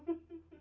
aku sudah berjalan